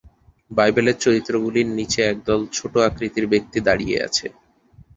বাইবেলের চরিত্রগুলির নিচে একদল ছোট আকৃতির ব্যক্তি দাঁড়িয়ে আছে।